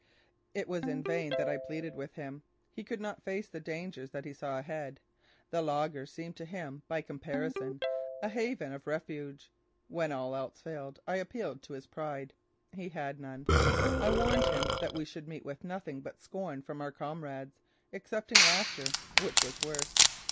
It was in vain that I pleaded with him: He could not face the dangers that he saw ahead. The laager seemed to him, by comparison, a haven of refuge. When all else failed, I appealed to his pride. He had none. I warned him that we should meet with nothing but scorn from our comrades, excepting laughter, which was worse.